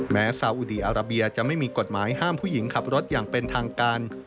ซาอุดีอาราเบียจะไม่มีกฎหมายห้ามผู้หญิงขับรถอย่างเป็นทางการ